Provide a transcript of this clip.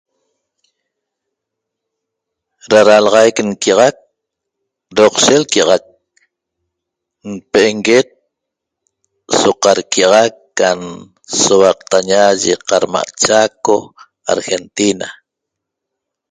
Da ralaxaic nquiaxac doqshe lquia'axac npe'enguet so qarquia'axac can souaqtaña yi qarma' Chaco Argentina